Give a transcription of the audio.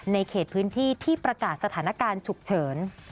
ในเขตพื้นที่ที่ประกาศสถานการณ์ฉุกเฉิน